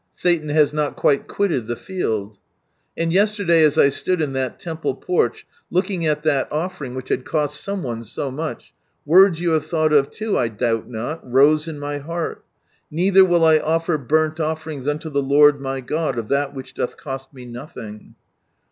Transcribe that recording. Satan has not quite quitted the held. And yesterday as I stood in that Temple porch, looking at that offering which had cost some one so much, words you have thought of too, I doubt not, rose in my heart, — "Neither will I offer burnt offerings unto the Lord my God of that which doth cost me nothing